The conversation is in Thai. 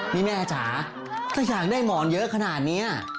นี่แม่จ๋าถ้าอยากได้หมอนเยอะขนาดนี้